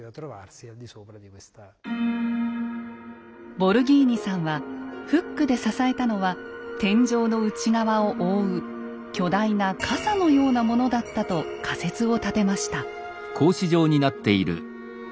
ボルギーニさんはフックで支えたのは天井の内側を覆う巨大なカサのようなものだったと仮説を立てました。